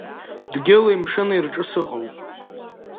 Дгьыли мшыни рҿы сыӷәӷәоуп.